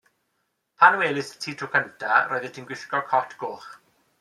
Pan weles i ti tro cynta' roeddet ti'n gwisgo cot goch.